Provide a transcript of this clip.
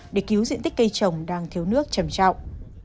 để cứu diện tích cây trồng đang thiếu nước trầm trọng